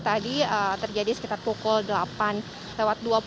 tadi terjadi sekitar pukul delapan lewat dua puluh